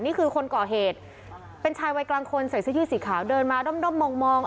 นี่คือคนก่อเหตุเป็นชายวัยกลางคนใส่เสื้อยืดสีขาวเดินมาด้อมมอง